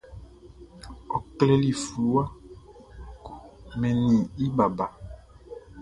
Ɔ klɛli fluwa ko mannin i baba.